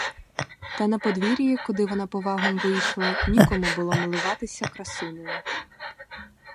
Та на подвір'ї, куди вона повагом вийшла, нікому було милуватися красунею.